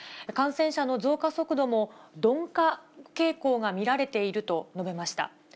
感染者の増加速度も鈍化傾向が見られていると述べました。